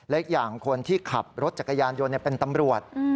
เล็กอย่างคนที่ขับรถจักรยานยนต์เป็นตำรวจ